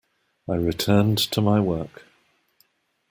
I returned to my work.